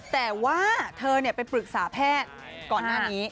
แต่ว่าเธอไปปรึกษาแพทย์ก่อนหน้านี้